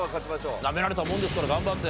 なめられたもんですから頑張って。